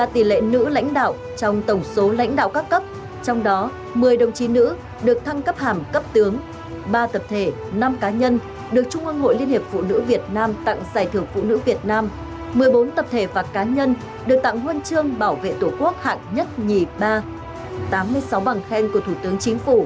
trung ương hội liên hiệp phụ nữ việt nam ủy ban nhân dân tỉnh thành phố khen thưởng